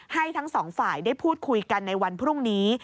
ทั้งสองฝ่ายได้พูดคุยกันในวันพรุ่งนี้